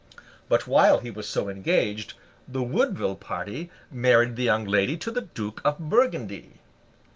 But, while he was so engaged, the Woodville party married the young lady to the Duke of Burgundy!